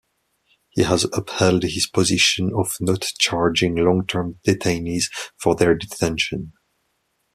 He has upheld his position of not charging long-term detainees for their detention.